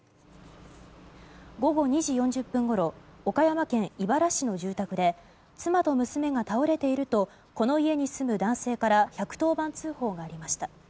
午後２時４０分ごろ岡山県井原市の住宅で妻と娘が倒れているとこの家に住む男性から１１０番通報がありました。